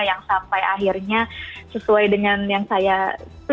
yang sampai akhirnya sesuai dengan yang saya terima